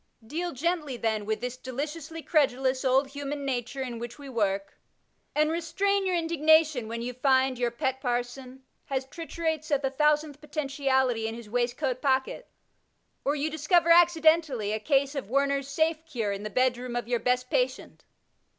Deal gently then with this de liciously credulous old human nature in which we work, and restrain your indignation, when you find your pet parson has triturates of the 1000th potentiality in his waistcoat pocket, or you discover accidentally a case of Warner's Safe Cure in the bedroom of your best patient.